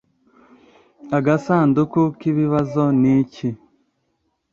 agasanduku k’ibibazo ni iki‽